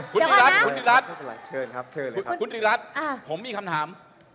ขุนตีรัสผมมีคำถาม